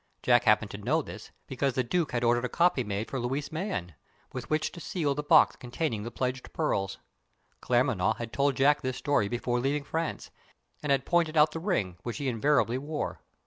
Jack happened to know this, because the Duke had ordered a copy made for Louis Mayen, with which to seal the box containing the pledged pearls. Claremanagh had told Jack this story before leaving France, and had pointed out the ring, which he invariably wore.